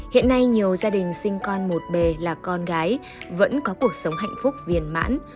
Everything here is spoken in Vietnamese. hiện nay nhiều gia đình sinh con một bề là con gái vẫn có cuộc sống hạnh phúc viền mãn